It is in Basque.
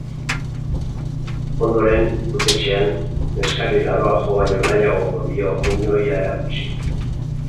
Ondoren, putetxean, neskari larrua jo baino nahiagoko dio muinoia erakutsi.